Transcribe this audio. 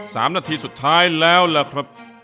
สามนาทีสุดท้ายแล้วล่ะครับ